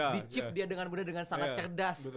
dicip dia dengan mudah dengan sangat cerdas